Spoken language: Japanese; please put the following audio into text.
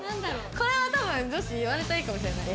これは多分女子言われたいかもしれない。